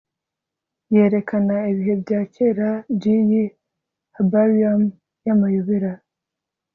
Yerekana ibihe bya kera byiyi herbarium yamayobera